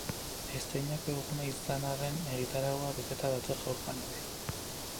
Estreinako eguna izan arren, egitaraua beteta dator gaurkoan ere.